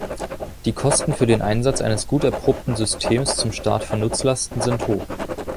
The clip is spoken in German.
Die Kosten für den Einsatz eines gut erprobten Systems zum Start von Nutzlasten sind hoch.